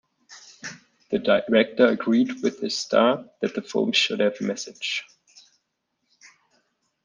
The director agreed with his star that the film should have a message.